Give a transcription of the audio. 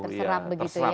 bisa terserap begitu ya